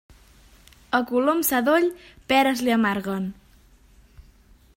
A colom sadoll, peres li amarguen.